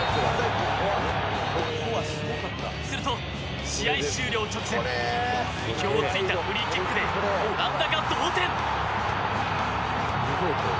すると試合終了直前意表を突いたフリーキックでオランダが同点。